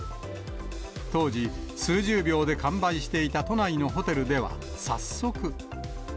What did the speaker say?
当時、数十秒で完売していた都内のホテルでは、早速。